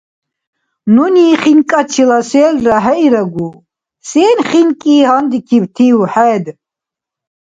– Нуни хинкӀачила селра хӀеирагу, сен хинкӀи гьандикибтив хӀед?